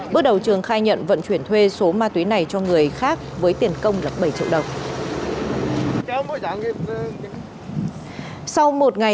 bước đầu trường khai nhận vận chuyển thuê số ma túy này cho người khác với tiền công là bảy triệu đồng